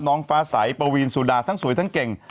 น้องฟ้าใสปวีนสุดาทั้งสวยทั้งเก่ง